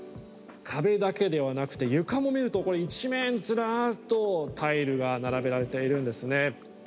壁だけではなくて床も見ると一面ずらっとタイルが並べられているんですね。